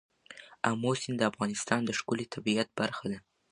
آمو سیند د افغانستان د ښکلي طبیعت برخه ده.